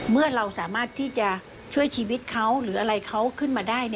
เมื่อเราสามารถที่จะช่วยชีวิตเขาหรืออะไรเขาขึ้นมาได้